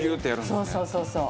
そうそうそうそう。